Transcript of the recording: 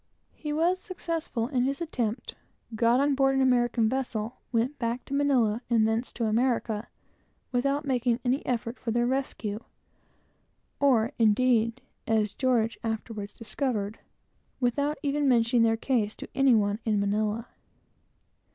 He was successful in his attempt; got on board an American vessel, went back to Manilla, and thence to America, without making any effort for their rescue, or indeed, as George afterwards discovered, without even mentioning their case to any one in Manilla.